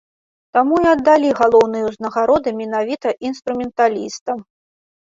Таму і аддалі галоўныя ўзнагароды менавіта інструменталістам.